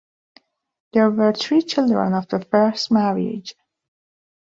There were three children of the first marriage.